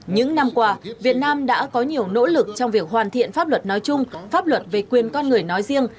những năm qua việt nam đã có nhiều nỗ lực trong việc hoàn thiện pháp luật nói chung pháp luật về quyền con người nói riêng